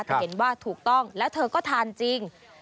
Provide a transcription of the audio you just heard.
แต่เห็นว่าถูกต้องแล้วเธอก็ทานจริง